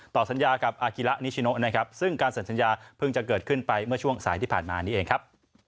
สัญญากับอากิระนิชิโนนะครับซึ่งการเซ็นสัญญาเพิ่งจะเกิดขึ้นไปเมื่อช่วงสายที่ผ่านมานี้เองครับ